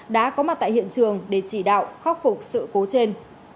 đã có mặt tại hiện trường để chỉ đạo khắc phục sự cố trên